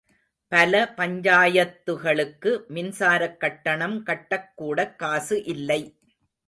பல பஞ்சாயத்துகளுக்கு மின்சாரக் கட்டணம் கட்டக் கூடக் காசு இல்லை.